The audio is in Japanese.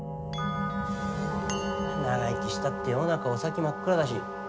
長生きしたって世の中、お先真っ暗だし。